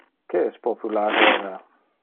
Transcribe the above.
Que es popular ora?